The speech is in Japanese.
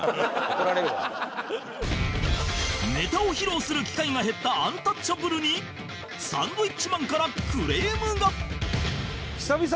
ネタを披露する機会が減ったアンタッチャブルにサンドウィッチマンからクレームが！